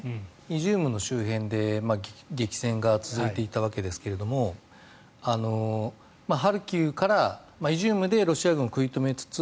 イジュームの周辺で激戦が続いていたわけですがハルキウからイジュームでロシア軍を食い止めつつ